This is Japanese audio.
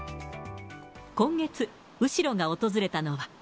今月、後呂が訪れたのは。